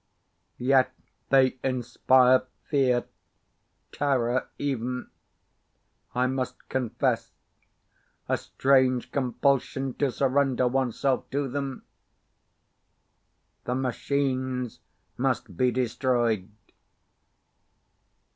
Yet they inspire fear, terror, even, I must confess, a strange compulsion to surrender oneself to them. The Machines must be destroyed.